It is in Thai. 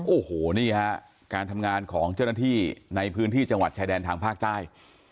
โอ้โหนี่ฮะการทำงานของเจ้าหน้าที่ในพื้นที่จังหวัดชายแดนทางภาคใต้